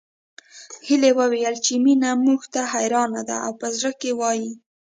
هيلې وويل چې مينه موږ ته حيرانه ده او په زړه کې وايي